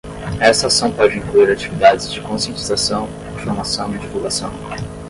Esta ação pode incluir atividades de conscientização, informação e divulgação.